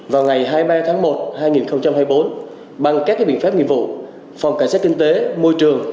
vào ngày hai mươi ba tháng một hai nghìn hai mươi bốn bằng các biện pháp nghiệp vụ phòng cảnh sát kinh tế môi trường